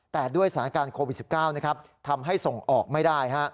แต่ด้วยสถานการณ์โควิด๑๙ทำให้ส่งออกไม่ได้